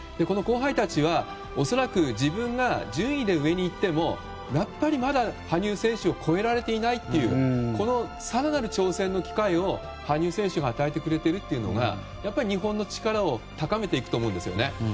この後輩たちは恐らく自分が順位で上にいってもやっぱりまだ羽生選手を超えられていないという更なる挑戦の機会を羽生選手が与えてくれているというのが日本の力を高めていくと思うんです。